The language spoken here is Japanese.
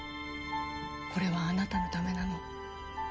これはあなたのためなの。